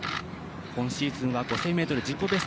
今シーズンは５０００ｍ自己